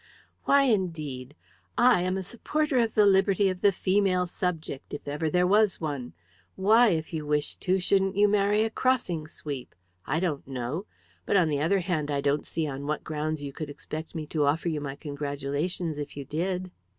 "Why, indeed? I am a supporter of the liberty of the female subject, if ever there was one. Why, if you wished to, shouldn't you marry a crossing sweep? I don't know. But, on the other hand, I don't see on what grounds you could expect me to offer you my congratulations if you did."